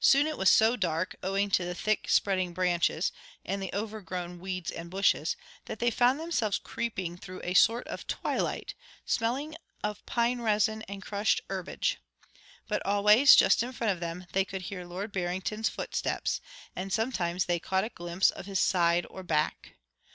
Soon it was so dark, owing to the thick spreading branches and the overgrown weeds and bushes, that they found themselves creeping through a sort of twilight, smelling of pine resin and crushed herbage. But always, just in front of them, they could hear Lord Barrington's footsteps, and sometimes they caught a glimpse of his side or back.